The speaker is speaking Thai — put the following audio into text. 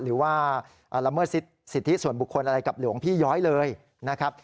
หรือว่าละเมิดสิทธิส่วนบุคคลอะไรกับหลวงพี่ย้อยเลยนะครับ